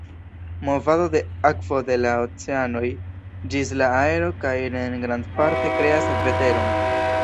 Movado de akvo de la oceanoj ĝis la aero kaj reen grandparte kreas veteron.